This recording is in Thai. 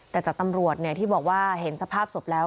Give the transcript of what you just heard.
แต่จากตำรวจที่บอกว่าเห็นสภาพศพแล้ว